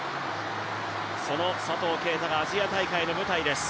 その佐藤圭汰がアジア大会の舞台です。